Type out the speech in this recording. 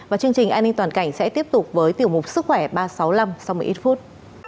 bình đảnh sẽ tiếp tục với tiểu mục sức khỏe ba trăm sáu mươi năm sau một mươi phút